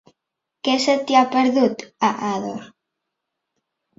Què se t'hi ha perdut, a Ador?